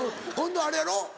あれやろ？